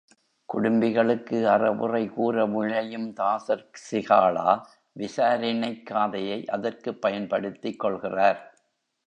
குடும்பிகளுக்கு அறவுரை கூறவிழையும் தாசர் சிகாளா விசாரிணைக் காதை யை அதற்குப் பயன்படுத்திக் கொள்கிறார்.